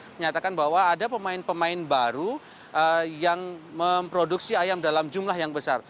menyatakan bahwa ada pemain pemain baru yang memproduksi ayam dalam jumlah yang besar